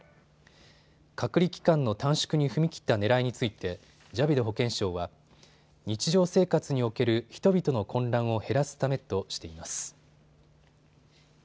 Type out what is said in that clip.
隔離期間の短縮に踏み切ったねらいについてジャビド保健相は日常生活における人々の混乱を減らすためとしています。